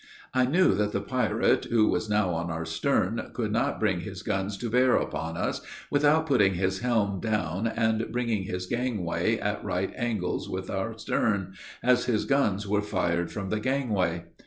I knew that the pirate, who was now on our stern, could not bring his guns to bear upon us, without putting his helm down and bringing his gangway at right angles with our stern, as his guns were fired from the gangway.